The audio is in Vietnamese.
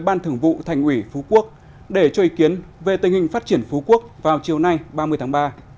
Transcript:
ban thường vụ thành ủy phú quốc để cho ý kiến về tình hình phát triển phú quốc vào chiều nay ba mươi tháng ba